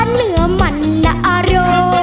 เนื้อมันและอร่อย